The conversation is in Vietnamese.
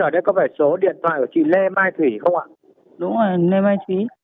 đúng rồi lê mai thúy